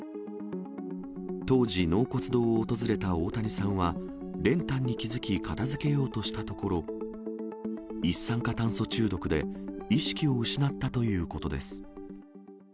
当時、納骨堂を訪れた大谷さんは、練炭に気付き、片づけようとしたところ、一酸化炭素中毒で意識を失ったということです。